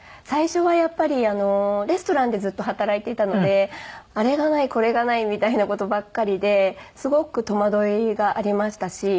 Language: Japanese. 最初はやっぱりレストランでずっと働いていたのであれがないこれがないみたいな事ばっかりですごく戸惑いがありましたし。